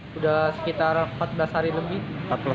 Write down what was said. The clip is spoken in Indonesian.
sudah sekitar empat belas hari lebih